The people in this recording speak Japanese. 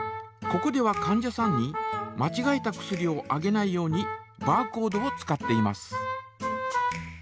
ここではかん者さんにまちがえた薬をあげないようにバーコードを使っています。